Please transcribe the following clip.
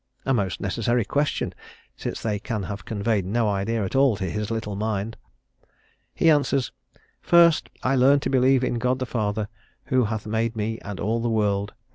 a most necessary question, since they can have conveyed no idea at all to his little mind. He answers: "First, I learn to believe in God the Father, who hath made me and all the world.